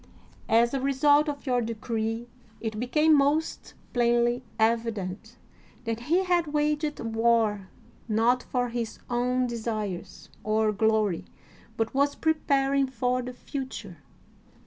As a result of your decree it became most plainly evident that he had waged war not for his own desires or glory, but was preparing for the future.